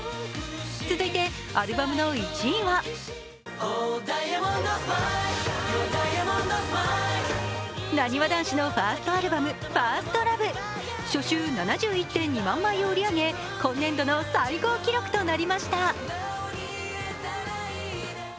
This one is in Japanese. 続いてアルバムの１位はなにわ男子のファーストアルバム、「１ｓｔＬｏｖｅ」初週７１．２万枚を売り上げ、今年度の最高記録となりました。